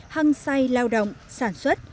hăng say lao động sản xuất